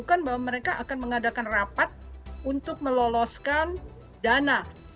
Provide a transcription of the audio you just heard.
menunjukkan bahwa mereka akan mengadakan rapat untuk meloloskan dana